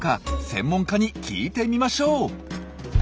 専門家に聞いてみましょう。